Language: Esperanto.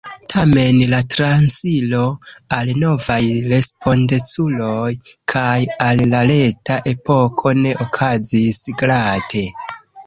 Tamen la transiro al novaj respondeculoj kaj al la reta epoko ne okazis glate.